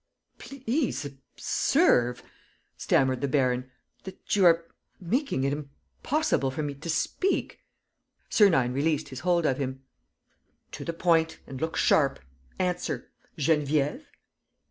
..." "Please observe," stammered the baron, "that you are making it impossible for me to speak." Sernine released his hold of him: "To the point! ... And look sharp! ... Answer. ... Geneviève?"